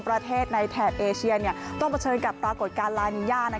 ประเทศในแถบเอเชียต้องเผชิญกับปรากฏการณ์ลานิยา